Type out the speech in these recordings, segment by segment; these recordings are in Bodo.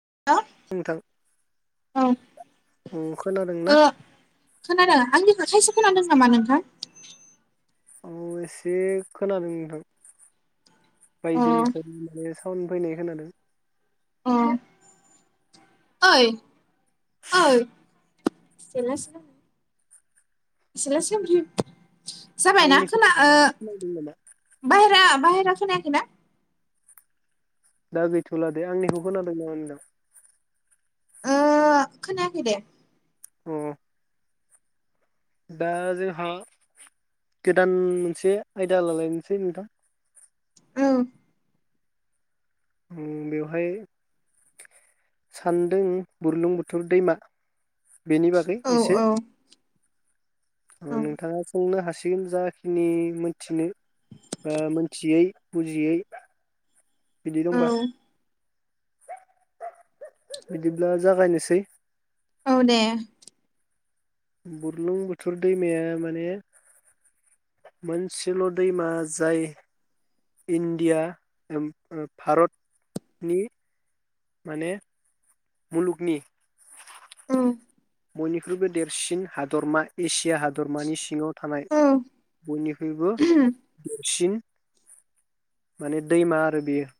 [inaudible] नोंथां औ खोनादोंना खोनादों नामा नोंथां औ एसे खोनादों नोंथां। अ [inaudible] साउन फैनाय खोनादों। [inaudible] सेला सिमफ्रिब जाबायना आंनिखौ खोना ओ खोनादों नामा बाहेरा बाहेर खोनायाखै ना दा गैथ'ला दे आंनिखौ खोनादों ना होनदों ओ खोनायाखै दे अ दा जोंहा गोदान मोनसे आयदा लालायनोसै नोंथां। औ। उम बेवहाय सानदों बुरलुंबुथुर दैमा। बेनि बागै औ एसे औ औ नोंथाङा सोंनो हासिग फिन जाखिनि मोनथिनो ओ मोनथियै बुजियै बिदि औ दंबा। बिदिब्ला जागायनोसै। औ दे। बुरलुंबुथोर दैमाया माने मोनसेल' दैमा जाय इण्डिया ओम ओब भारत नि माने मुलुगनि औ बयनिख्रुइबो देरसिन हादरमा एसिया हादर हादोरमानि सिङाव थानाय औ बयनिख्रुइबो देरसिन माने दैमा आरो बेयो।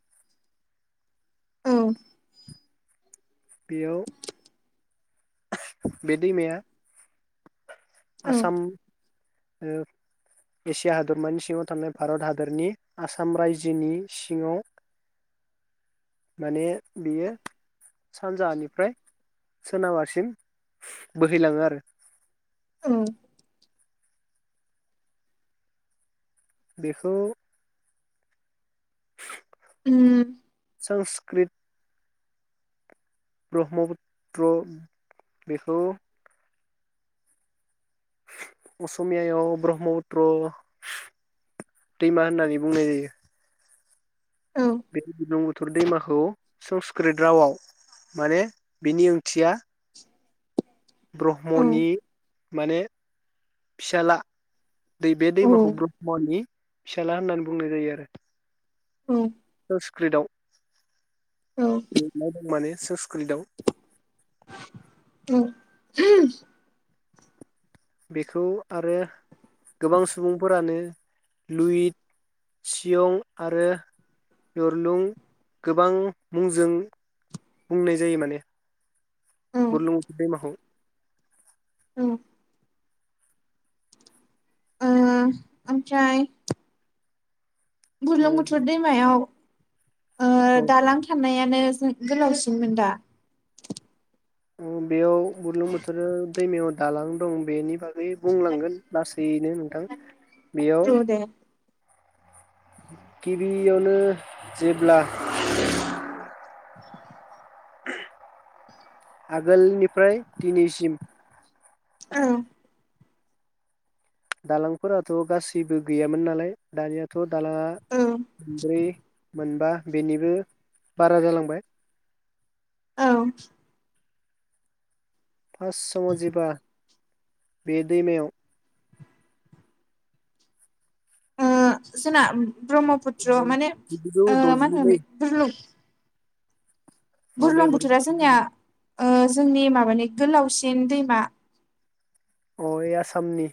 औ बेयाव बे दैमाया औ आसाम ओ एसिया हादरमानि सिङाव थानाय भारत हादरनि आसाम रायजोनि सिङाव माने बियो सानजाहा निफ्राय सोनाबाहा सिम बोहैलाङो आरो। औ बिखौ उम संस्कृत ब्रह्मपुत्र बेखौ असमिया याव ब्रह्मपुत्र दैमा होननानै बुंनाय जायो। औ बे बुरलुंबु थुर दैमाखौ संस्कृत रावआव माने बिनि ओंथिया औ ब्रह्मनि माने फिसाला दै बे दैमाखौ औ ब्रह्मनि फिसाला होननानै बुंनाय जायो आरो। औ संस्कृत आव औ दो ना दं माने सं स्कृत आव औ ओम। बेखौ आरो गोबां सुबुं फोरानो लुइत सियं आरो दुरलुं गोबां मुंजों बुंनाय जायो माने। बुरलुंबुथुर दैमाखौ। औ आ आमफ्राय बुरलुं उम बुथुर दैमायाव ओ औ दालां थानायानो गोलावसिनमोन दा? ओ बेयाव बुरलुं बुथुर दैमायाव दालां दं बेनि बागै गै बुंलांगोन लासैैनो नोंथां बेयाव औ दे गिबियावनो जेब्ला [inaudible] आगोलनिफ्राय दिनैसिम औ। दालांफोराथ' गासैबो गैयामोन नालाय दानियाथ' दालाङा औ मोनब्रै मोनबा बेनिबो बारा जालांबाय। औ। फासाव जिबा बे दैमायाव ओ सना ब्रह्मपुत्र माने जिगुजौ ओ मा द'जिनै होनो बुरलुं अ बे बुरलुं बुथुरा जोंनिया ओ जोंनि माबानि गोलावसिन दैमा अ इ आसामनि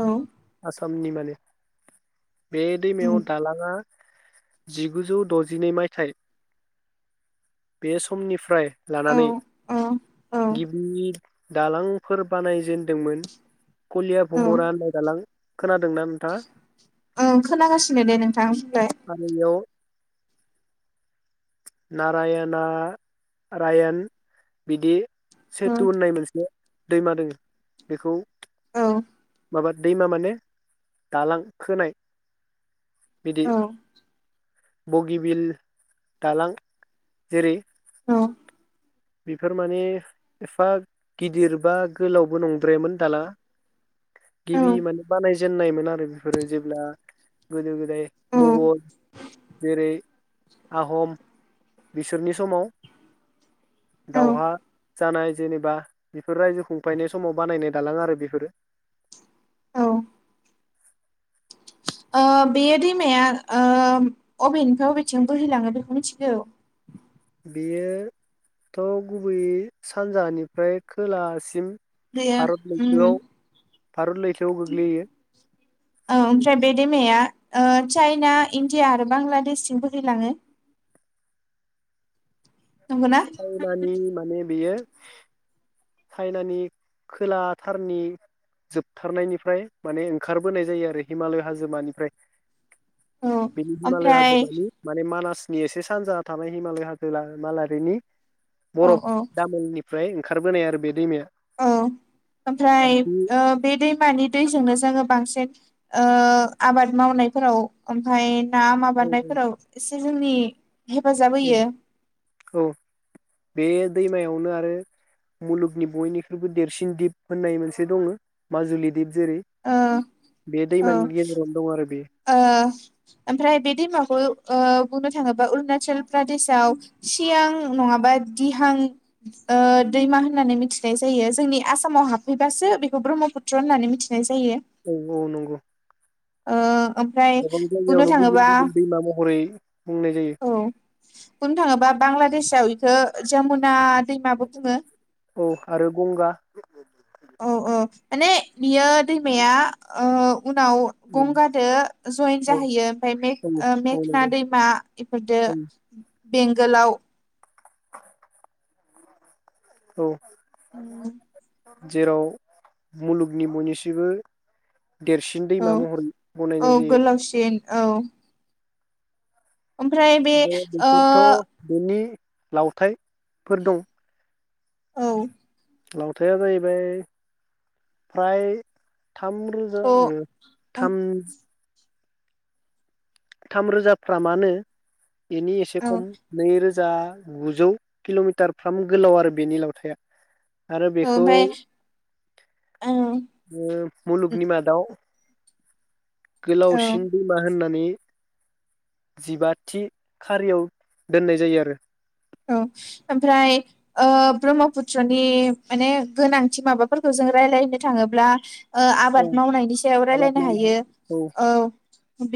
औ। आसामनि माने? बे उम दैमायाव दालाङा जिगुजौ दजिनै मायथाइ बे समनिफ्राय औ लानानै औ औ गिबि दालांफोर बानायजेनदोंमोन। कलिया औ भुमुरा होननाय दालां। खोनादोंना नोंथाङा? ओं खोनागासिनो दे नोंथां बुंलाय। नारायाना रायण बिदि। औ सेटु होननाय मोनसे दैमा दोङो बेखौ औ माबा दैमा माने ने दालां खोनाय बिदि औ बगिबिल दालां जेरै औ। बेफोर माने एफा गिदिर बा गोलावबो नंद्रायामोन दालां गिबि माने बानायजेननायमोन आरो बेफोरो जेब्ला गोदो गोदाय औ मुगल जेरै आहम बिसोरनि समाव दावहा जानाय जेनेबा बेफोर रायजो खुंफायनाय समाव बानायनाय दालां आरो बेफोरो। औ ओ बेयो दैमाया ओ अबेनिफाय अबेथिं बोहैलाङो बेखौ मिथिगौ बेयो थ' गुबैयै सानजाहानिफ्राय खोलाहासिम बेयो उम औ भारत लैथोआव गोग्लैयो ओमफ्राय बे दैमाया ओ चाइना इण्डिया आरो बांलादेशसिम बोहैलाङो। नंगौना चायनानि माने बेयो चाइनानि खोलाथारनि जोबथारनायनिफ्राय माने ओंखारबोनाय जायो आरो हिमालय हाजोमानिफ्राय। औ बिनि हिमालय ओमफ्राय हाजोमानि माने मानास नेयोस एसे सानजाहा थाबाय हिमालय हाजो ला माला बेनि औ बरफ औ दामोलनि ओमफ्राय ओंखारबोनाय आरो बे दैमाया। औ ओमफ्राय ओ बे दैमानि दैजोंनो जोङो बांसिन ओ आबाद मावनायफोराव ओमफाय थाङा माबानायफोराव एस जोंनि हेफाजाब औ होयो औ बे दैमायावनो आरो मुलुगनि बयनिख्रुइबो देरसिन दिप होननाय मोनसे दङ माजुलि दीप जेरै ओ बे औ दैमानि गेजेरावनो दं आरो बे ओ ओमफ्राय बे दैमाखौ ओ बुंनो थाङोब्ला अरुणाचल प्रदेशआव सियां नङाबा दिहां ओ दैमा होननानै मिथिनाय जायो जोंनि आसामाव हाबफैबासो बेखौ ब्रह्मपुत्र होननानै मिथिनाय जायो। औ औ नंगौ। ओ ओमफ्राय गोबां बुंनो जायगायावनो गुबुन थाङोबा गुबुन दैमा महरै बुंनाय जायो औ बुंनो थाङोबा बांलादेशआव इद खो जमुना दैमाबो बुङो। औ आरो गंगा औ औ माने बियोद दैमाया ओ उनाव गंगादो जयेन औ जाहैयो ओमफाय मेख औ मेखना नंगौ दैमा इफोरदो औ बेंगोलआव औ उम जेराव मुलुगनि बयनिसिबो देरसिन औ दैमा महर औ बनायनाय जायो। गोलावसिन औ ओमफ्राय बे आरो ओ बेफोरथ' बिनि लावथायफोर दं औ। लावथाया जाहैबाय फ्राय थामरोजा औ औ थाम थामरोजा फ्रामानो बेनि एसे औ खम नैरोजा जा गुजौ किल'मिटार फ्राम गोलाव आरो बेनि लावथाया। आरो बेखौ ओमफ्राय ओ ओ मुलुगनि मादाव औ गोलावसिन दैमा होननानै जिबाथि खारियाव दोननाय जायो आरो औ ओमफ्राय ओ ब्रह्मपुत्रनि माने गोनांथि माबाफोरखौ जों रायज्लायनो थाङोब्ला ओ ओ आरो औ आबाद मावनायनि सायाव आबाद रायलायनो मावनाय हायो औ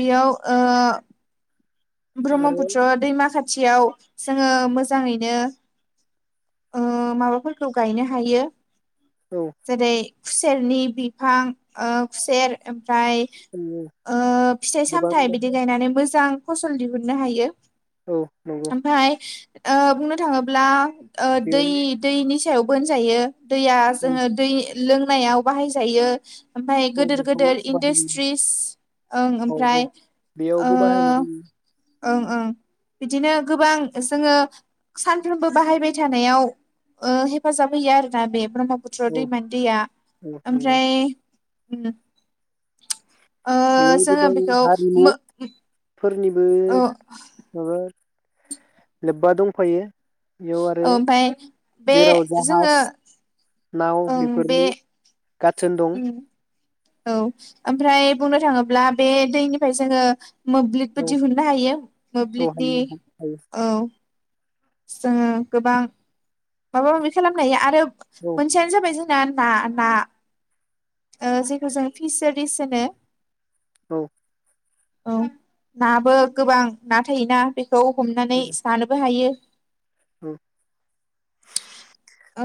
बेयाव ओ आरो ब्रह्मपुत्र दैमा खाथि थियाव जोङो मोजाङैनो ओ माबाफोरखौ गायनो हायो। औ जेरै खुसेरनि बिफां ओ खुसेर ओम फ्राय ओ फिथाइ गोबां सामथाइ बिदि गायनानै मोजां फसल दिहुननो हायो। औ नंगौ ओमफाय ओ बुंनो थाङोब्ला ओ दै बेयाव दैनि सायाव बो‌ होनजायो। दैया औ जोङो दै लोंनायाव बाहायजायो। ओमफ्राय औ गोदोर बेखौ गोदोर बाहायो इन्डास्ट्रिस ओं औ ओमफ्राय औ ओ बेयावबो बाहायनाय जायो ओं ओं बिदिनो गोबां जोङो सानफ्रोमबो बाहायबाय थानायाव ओ हेफाजाब होयो आरोना बे ब्रह्मपुत्र औ दैमानि दैया औ नंगौ ओमफ्राय उ [inaudible] ओ बेयाव जोङो बेखौ फोरनिबो ओ माबा लोब्बा दंफायो। बेयाव आरो ओमफाय बे जेराव जाहाज जोङो नाव ओं बे बेफोरनि गाथोन दं उम औ ओमफ्राय बुंनो थाङोब्ला बे दैनिफ्राय जोङो मोब्लिबबो औ दिहुननो हायो औ मोब्लिबनि हायो हायो औ जोङो गोबां माबा माबि खालामनो हायो आरो औ मोनसेयानो जाबाय जोंनि [unintelligible] ओ जेखौ जों फिसारिस होनो औ औ नाबो गोबां ना थायोना बे खौ औ हमनानै जानोबो हायो औ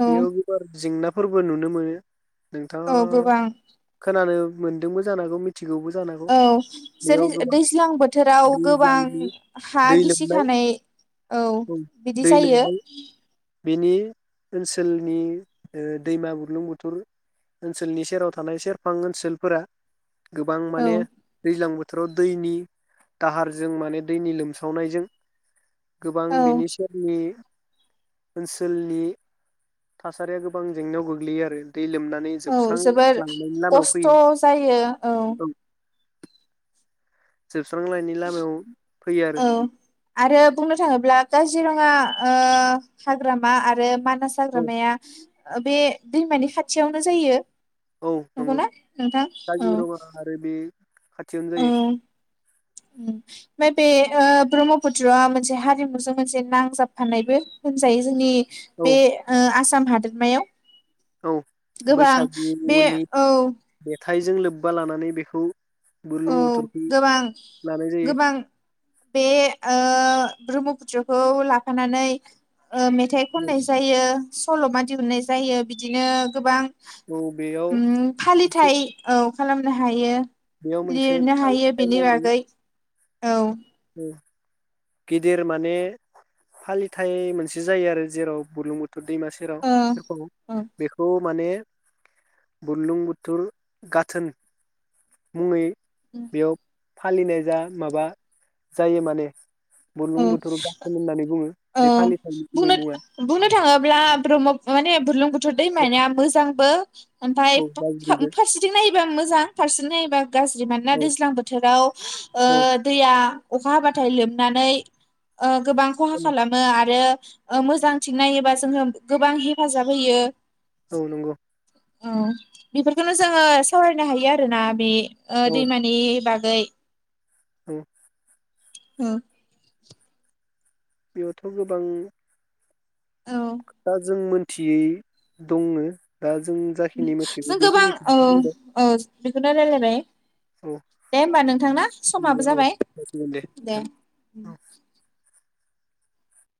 औ बियाव गोबां जेंना फोरबो नुनो मोनो नोंथाङा औ गोबां खोनानो मोनदोंबो जानांगौ औ जेरै दैज्लां बोथोराव गोबां दैज्लांनि हा दै गिसि लोमनाय खानाय औ औ बि दि दै जायो। लोमनाय बेनि ओनसोलनि ओ दैमा बुरलुंबुथुर ओनसोलनि सेराव थानाय सेरफां ओनसोलफोरा गोबां औ माने दैज्लां बो थोराव दैनि दाहारजों माने दैनि लोमसावनायजों गोबां औ बिनि नि ओनसोलनि थासारिया गोबां जेंनायाव गोग्लैयो आरो दै लोमनानै औ जोबस्रां जोबोर लांनायनि लामायाव खस्थ' फैयो जायो औ जोबस्रांलायनायनि लामायाव फैयो आरो औ आरो बुंनो थाङोब्ला काजिरङा ओ हाग्रामा आरो मा नास औ हाग्रामाया ओ बे दैमानि खाथियावनो जायो औ नंगौ नंगौना नोंथां औ? काजिरङा आरो बे खाथियावनो औ जायो। ओमफ्राय बे ओ ब्रह्मपुत्रआ मोनसे हारिमुजों मोनसे नांजाबफानायबो होनजायो जोंनि औ बे ओ आसाम हादोरमायाव औ गोबां बे औ थाइजों लोब्बा लानानै बेखौ बुरलुं औ बुथुरखौ गोबां लानाय जायो गोबां बे ओ ब्रह्मपुत्रखौ लाफानानै ओ मेथाइ खननाय जायो सल'मा दिहुननाय जायो बिदिनो गोबां औ बेयाव उम फालिथाइ औ खालामनो हायो बेयाव मोनसे लिरनो हायो बेनि महरै बागै औ गिदिर माने फालिथाय मोनसे जायो आरो जेराव बुर्लुंबुथुर दैमा ओ सेराव औ बेखौ माने बुरलुंबुथुर गाथोन मुंङै द [inaudible] फालिनाय जा माबा जायो माने औ बुरलुं बुथुर गाथोन होननानै बुङो औ बे फालिथायनि गुबै मुङा बुंनो थाङोब्ला ब्रह्म माने बुुरलुंबुथुर औ दैमाया मोजांबो [inaudible] ओफ्राय औ गाज्रिबो फारसेथिं नायोबा मोजां फारसे नायबा गाज्रि मानोना औ दैज्लां बोथोराव औ दैया अखा हाबथाय लोमनानै अ गोबां खहा औ खालामो आरो मोजां थिं नायोबा जोङो गोबां हेफाजाब होयो। औ नंगौ ओ बेफोरखौनो जोङो सावरायनो हायो आरोना बे ओ दैमानि बागै बागै ओम औ बेयावथ' गोबां दा जों मोन थियै दङ दा जों जाखिनि मिथिगौ बेखिनिखौसो बुंबाय बिखोनो रायलायबाय औ दे होमबा नोंथां ना समाबो नंगौ औ जाबाय जासिगोन दे नोंथां औ